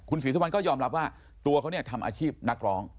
ศรีสุวรรณก็ยอมรับว่าตัวเขาเนี่ยทำอาชีพนักร้อง